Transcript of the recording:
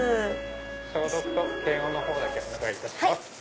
消毒と検温のほうだけお願いいたします。